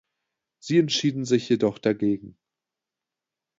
Sie entschieden sich jedoch dagegen.